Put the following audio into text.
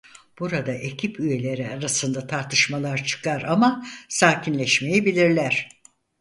Burada ekip üyeleri arasında tartışmalar çıkar ama sakinleşmeyi bilirler.